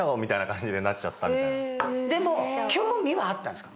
でも。